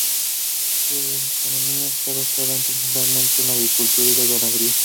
Su economía está basada principalmente en la agricultura y la ganadería.